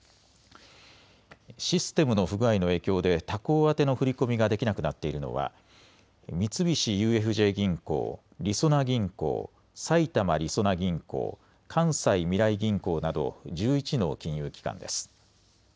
システムの不具合の影響で他行宛ての振り込みができなくなっているのは三菱ＵＦＪ銀行、りそな銀行、埼玉りそな銀行、関西みらい銀行など１１の金融機関です。